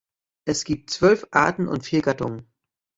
Es gibt zwölf Arten und vier Gattungen.